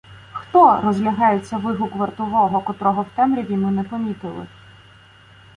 — Хто?! — розлягається вигук вартового, котрого в темряві ми не помітили.